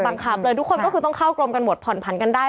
บังคับเลยทุกคนก็คือต้องเข้ากรมกันหมดผ่อนผันกันได้